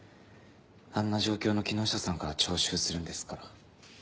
あんな状況の木下さんから徴収するんですから。